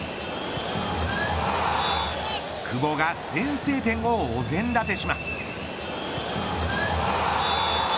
久保が先制点をお膳立てします。